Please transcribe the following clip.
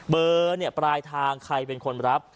เบอร์ปลายทางใครเป็นคนรับ